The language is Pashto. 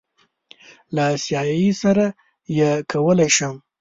له آسیایي سره یې کولی شم.